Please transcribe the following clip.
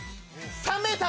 ３ｍ。